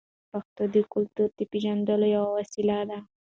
پښتو د کلتور د پیژندلو یوه وسیله ده.